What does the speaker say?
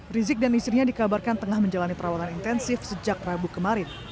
rizik dan istrinya dikabarkan tengah menjalani perawatan intensif sejak rabu kemarin